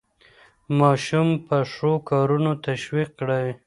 ماشوم په ښو کارونو تشویق کړئ.